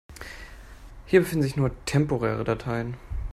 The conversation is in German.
Hier befinden sich nur temporäre Dateien.